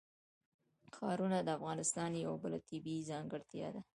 ښارونه د افغانستان یوه بله طبیعي ځانګړتیا ده.